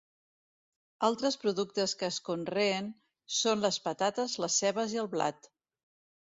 Altres productes que es conreen són les patates, les cebes i el blat.